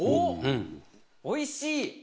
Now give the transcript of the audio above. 「おいしい」。